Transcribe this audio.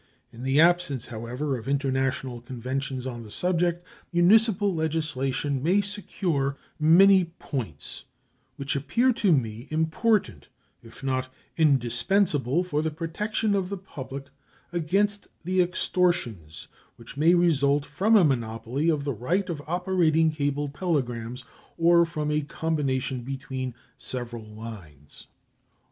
In the absence, however, of international conventions on the subject, municipal legislation may secure many points which appear to me important, if not indispensable for the protection of the public against the extortions which may result from a monopoly of the right of operating cable telegrams or from a combination between several lines: I.